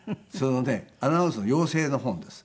アナウンサーの養成の本です。